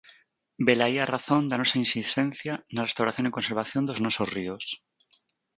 Velaí a razón da nosa insistencia na restauración e conservación dos nosos ríos.